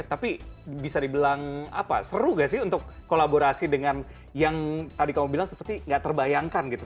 tapi bisa dibilang apa seru gak sih untuk kolaborasi dengan yang tadi kamu bilang seperti nggak terbayangkan gitu